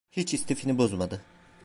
Hiç istifini bozmadı.